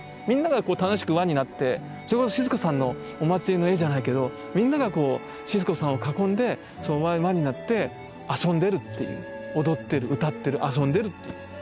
みんなが楽しく輪になってそれはシスコさんのお祭りの絵じゃないけどみんながこうシスコさんを囲んで輪になって遊んでるっていう踊ってる歌ってる遊んでるっていう。